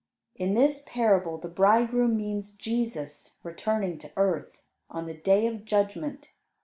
In this parable the bridegroom means Jesus returning to earth, on the Day of Judgment.